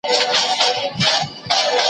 پس په دې کې غفلت مه کوئ.